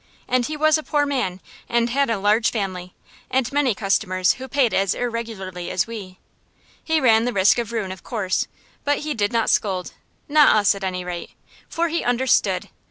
And he was a poor man, and had a large family, and many customers who paid as irregularly as we. He ran the risk of ruin, of course, but he did not scold not us, at any rate. For he understood.